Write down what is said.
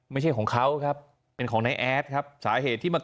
ไม่ใช่ของเขาครับเป็นของนายแอดครับสาเหตุที่มา